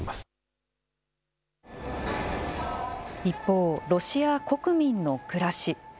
一方、ロシア国民の暮らし。